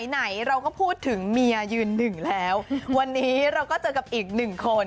ไหนเราก็พูดถึงเมียยืนหนึ่งแล้ววันนี้เราก็เจอกับอีกหนึ่งคน